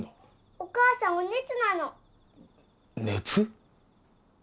お母さんお熱なの熱？